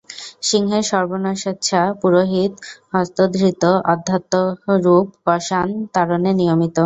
সিংহের সর্বনাশেচ্ছা পুরোহিতহস্তধৃত অধ্যাত্মরূপ কশার তাড়নে নিয়মিত।